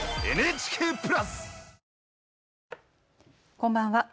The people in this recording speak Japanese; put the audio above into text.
こんばんは。